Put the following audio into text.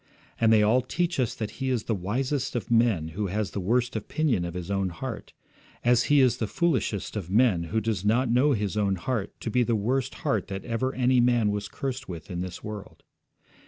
And they all teach us that he is the wisest of men who has the worst opinion of his own heart, as he is the foolishest of men who does not know his own heart to be the worst heart that ever any man was cursed with in this world.